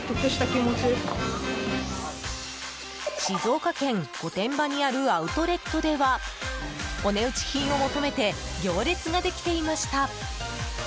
静岡県御殿場にあるアウトレットではお値打ち品を求めて行列ができていました。